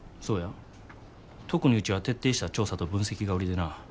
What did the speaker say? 特にうちは徹底した調査と分析が売りでな。